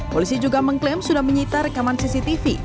polisi juga mengklaim sudah menyita rekaman cctv